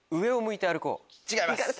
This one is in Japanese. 違います。